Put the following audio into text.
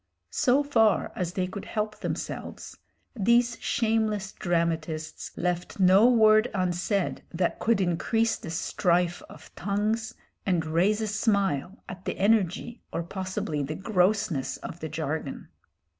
So far as they could help themselves, these shameless dramatists left no word unsaid that could increase the strife of tongues and raise a smile at the energy or possibly the grossness of the jargon.